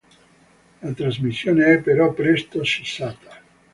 La trasmissione è però presto cessata.